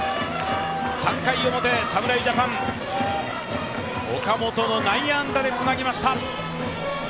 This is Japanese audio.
３回表、侍ジャパン、岡本の内野安打でつなぎました。